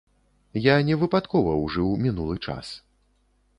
Я невыпадкова ужыў мінулы час.